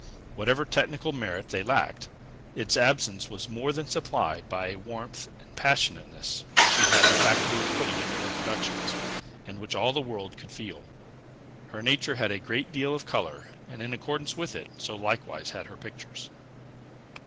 Whatever technical merit they lacked, its absence was more than supplied by a warmth and passionateness, which she had the faculty of putting into her productions, and which all the world could feel. Her nature had a great deal of color, and, in accordance with it, so likewise had her pictures.